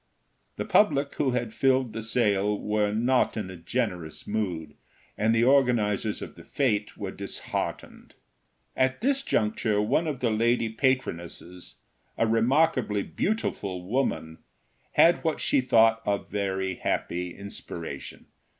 The public who had filled the sale were not in a generous mood, and the organizers of the fête were disheartened. At this juncture, one of the lady patronesses, a remarkably beautiful woman, had what she thought a happy inspiration.